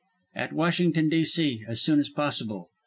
at Washington, D. C., as soon as possible.